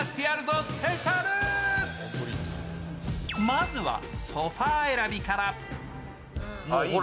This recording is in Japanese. まずはソファー選びから。